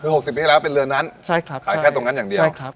หกสิบปีแล้วเป็นเรือนนั้นใช่ครับใช่ครับขายแค่ตรงนั้นอย่างเดียวใช่ครับ